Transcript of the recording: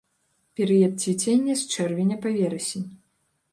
Перыяд цвіцення з чэрвеня па верасень.